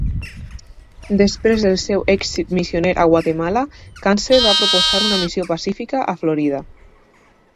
Després del seu èxit missioner a Guatemala, Cancer va proposar una missió pacífica a Florida.